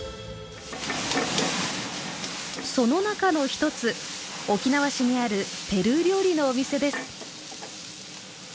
その中の一つ沖縄市にあるペルー料理のお店です。